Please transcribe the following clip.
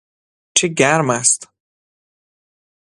چه گرم است